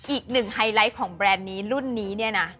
ไฮไลท์ของแบรนด์นี้รุ่นนี้เนี่ยนะ